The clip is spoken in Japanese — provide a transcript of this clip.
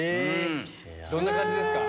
どんな感じですか？